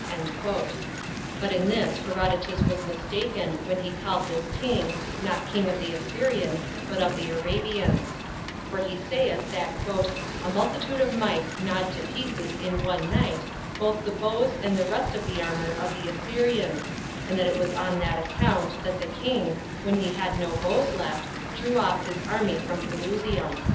But in this Herodotus was mistaken, when he called this king not king of the Assyrians, but of the Arabians; for he saith that "a multitude of mice gnawed to pieces in one night both the bows and the rest of the armor of the Assyrians, and that it was on that account that the king, when he had no bows left, drew off his army from Pelusium."